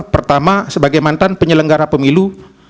pertama sebagai mantan penyelenggara pemilu